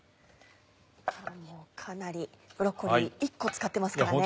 かなりブロッコリー１個使ってますからね。